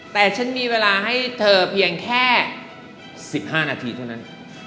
แต่ฉันมีเวลาให้เธอเพียงแค่๑๕นาทีเท่านั้น